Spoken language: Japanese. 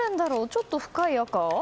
ちょっと深い赤？